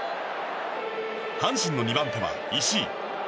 阪神の２番手は石井。